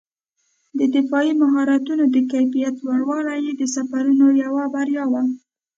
د دفاعي مهارتونو د کیفیت لوړوالی یې د سفرونو یوه بریا وه.